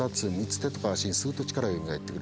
手とか足にスっと力がよみがえって来る。